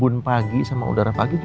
daiya ya yang earlier life